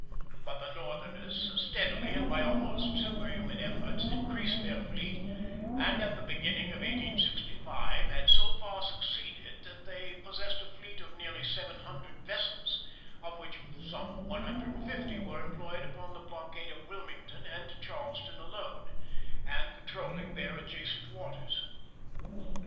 But the Northerners steadily and by almost superhuman efforts increased their fleet, and at the beginning of 1865 had so far succeeded that they possessed a fleet of nearly 700 vessels, of which some 150 were employed upon the blockade of Wilmington and Charleston alone, and patrolling their adjacent waters.